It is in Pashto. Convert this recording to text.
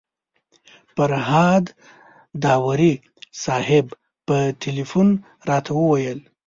فرهاد داوري صاحب په تیلفون راته وویل.